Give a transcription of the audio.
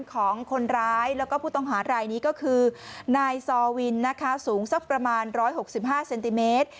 ของคนร้ายแล้วก็ผู้ต้องหาดรายนี้ก็คือนายซอวินสูงสักประมาณร้อยหกสิบห้าเซนติเมตร